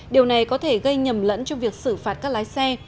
điều này có thể gây nhầm lẫn trong việc xử phạt các lái xe